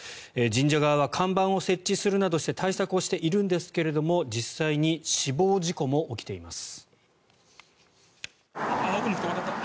神社側は看板を設置するなどして対策をしているんですけれども実際に死亡事故も起きています。